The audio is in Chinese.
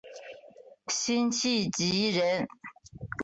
辛弃疾人。